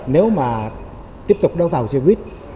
nếu mà tiếp tục đấu tàu showbiz